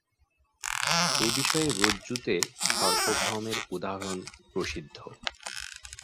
এ-বিষয়ে রজ্জুতে সর্পভ্রমের উদাহরণ প্রসিদ্ধ।